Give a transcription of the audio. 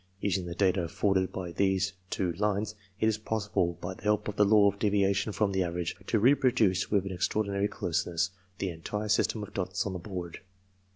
Using the data afforded by these two lines, it is possible, by the help of the law of deviation from an average, to reproduce, with extraordinary closeness, the entire system of dots on the board.